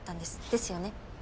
ですよね？